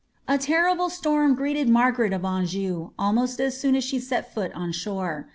A terrible storm gietucd .Margaret of Anjou, almost as soon as she set foot on shore.